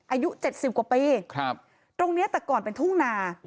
อายุเจ็ดสิบกว่าปีครับตรงเนี้ยแต่ก่อนเป็นทุ่งนา